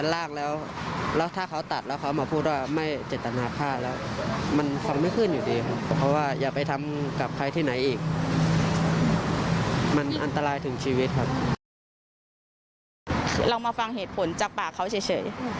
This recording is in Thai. เรามาฟังเหตุผลจากปากเขาเฉย